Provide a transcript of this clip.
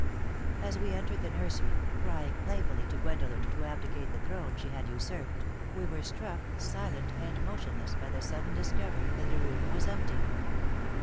As we entered the nursery, crying playfully to Gwendolen to abdicate the throne she had usurped, we were struck silent and motionless by the sudden discovery that the room was empty.